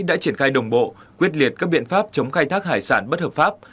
đã triển khai đồng bộ quyết liệt các biện pháp chống khai thác hải sản bất hợp pháp